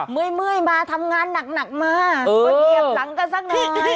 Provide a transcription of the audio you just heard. เมื่อยมาทำงานหนักมาก็เหยียบหลังกันสักหน่อย